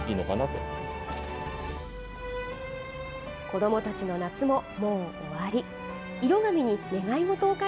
子どもたちの夏も、もう終わり。